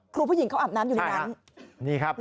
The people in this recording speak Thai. ผู้หญิงเขาอาบน้ำอยู่ในนั้น